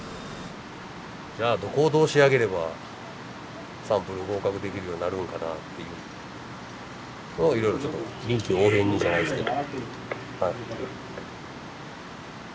じゃあどこをどう仕上げればサンプル合格できるようになるのかなっていうのをいろいろちょっと臨機応変にじゃないですけど。